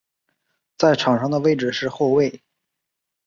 在场上的位置是后卫。